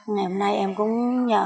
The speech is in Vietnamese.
ngày hôm nay em cũng nhờ